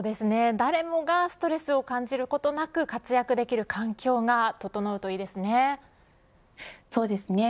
誰もがストレスを感じることなく活躍できる環境が整うとそうですね。